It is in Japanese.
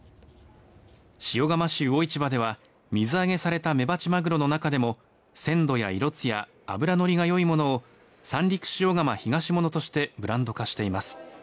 塩釜市魚市場では水揚げされたメバチマグロの中でも鮮度や色つや脂乗りがいいものを三陸塩釜ひがしものとしてブランド化しています。